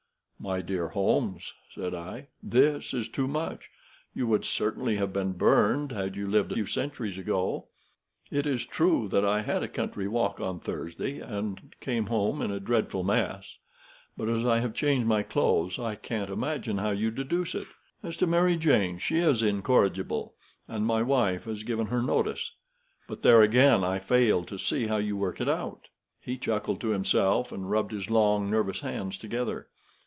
"My dear Holmes," said I, "this is too much. You would certainly have been burned had you lived a few centuries ago. It is true that I had a country walk on Thursday and came home in a dreadful mess; but as I have changed my clothes, I can't imagine how you deduce it. As to Mary Jane, she is incorrigible, and my wife has given her notice; but there again I fail to see how you work it out." He chuckled to himself and rubbed his long nervous hands together.